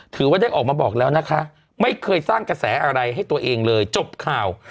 ถือว่าได้ออกมาบอกแล้วนะคะไม่เคยสร้างกระแสอะไรให้ตัวเองเลยจบข่าว